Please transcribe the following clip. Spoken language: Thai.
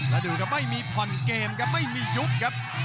แล้วดูครับไม่มีผ่อนเกมครับไม่มียุบครับ